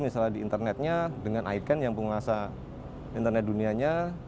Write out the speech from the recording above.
misalnya di internetnya dengan ikon yang penguasa internet dunianya